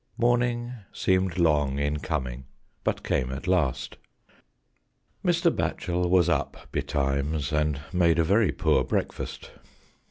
Morning seemed long in coming, but came at last. Mr. Batchel was up betimes and made a very poor breakfast.